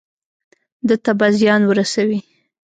ده ته به زیان ورسوي.